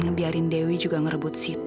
ngebiarin dewi juga ngerebut situ